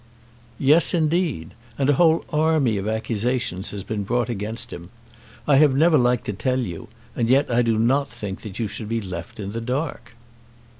"Yes, indeed. And a whole army of accusations has been brought against him. I have never liked to tell you, and yet I do not think that you should be left in the dark."